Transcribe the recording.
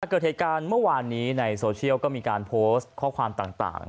เกิดเหตุการณ์เมื่อวานนี้ในโซเชียลก็มีการโพสต์ข้อความต่าง